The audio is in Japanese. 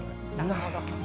なるほど。